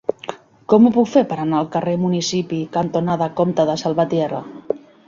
Com ho puc fer per anar al carrer Municipi cantonada Comte de Salvatierra?